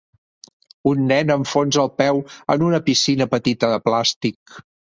Un nen enfonsa el peu en una piscina petita de plàstic.